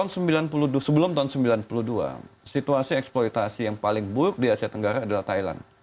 sebelum tahun sembilan puluh dua situasi eksploitasi yang paling buruk di asia tenggara adalah thailand